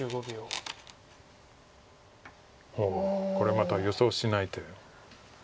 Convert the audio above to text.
おおこれまた予想しない手。